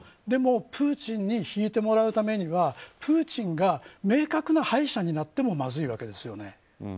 でも、プーチンに引いてもらうためにはプーチンが明確な敗者になってもまずいわけですよね。